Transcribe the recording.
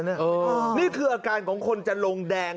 นี่คืออาการของคนจะลงแดง